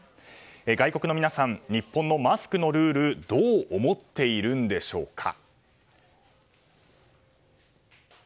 外国の皆さん日本のマスクのルールどう思っているんでしょうか。